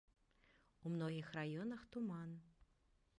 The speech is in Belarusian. У многіх раёнах туман.